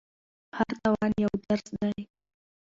هر تاوان یو درس دی.